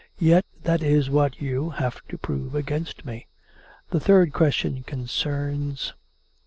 Yet that is what you have to prove against me. The third question concerns